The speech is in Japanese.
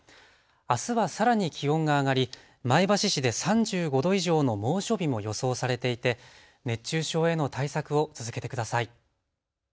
あすはさらに気温が上がり前橋市で３５度以上の猛暑日も予想されていて熱中症への対策を続けてください。